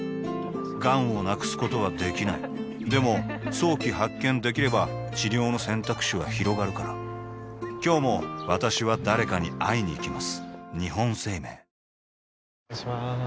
がんを無くすことはできないでも早期発見できれば治療の選択肢はひろがるから今日も私は誰かに会いにいきます